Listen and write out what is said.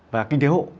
và kinh tế hộ